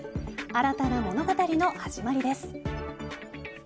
新たな物語の始まりです。